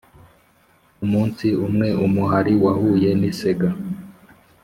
umunsi umwe, umuhari wahuye n'isega,